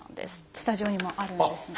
スタジオにもあるんですね。